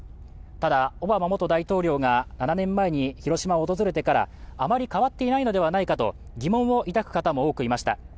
ただ、オバマ元大統領が７年前に広島を訪れてからあまり変わっていないのではないかと疑問を抱く方も多くいました。